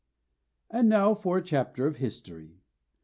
] AND now for a chapter of history.